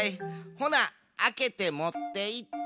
ほなあけてもっていって。